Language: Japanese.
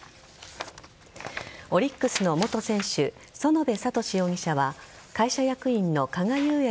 オリックスの元選手園部聡容疑者は会社役員の加賀裕也